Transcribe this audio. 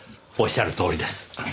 おっしゃるとおりです。